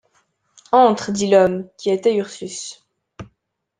Entre, dit l’homme, qui était Ursus.